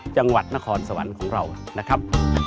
จังหวัดนครสวรรค์ของเรานะครับ